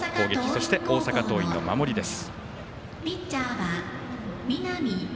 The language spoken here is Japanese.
そして、大阪桐蔭の守りです。